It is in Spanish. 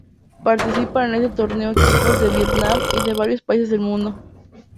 Participan en este torneo equipos de Vietnam y de varios países del mundo.